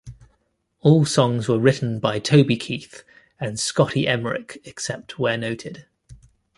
All songs written by Toby Keith and Scotty Emerick except where noted.